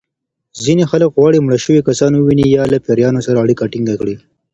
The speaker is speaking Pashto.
ځینې خلک غواړي مړه شوي کسان وویني یا له پېریانو سره اړیکه ټېنګه کړي.